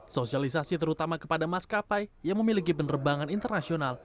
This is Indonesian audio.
sosialisasi terutama kepada maskapai yang memiliki penerbangan internasional